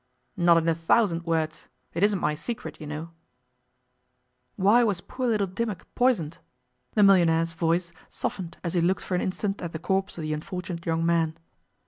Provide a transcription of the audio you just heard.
'Not in a thousand words. It isn't my secret, you know.' 'Why was poor little Dimmock poisoned?' The millionaire's voice softened as he looked for an instant at the corpse of the unfortunate young man.